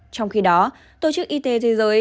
trong khi đó tổ chức y tế thế giới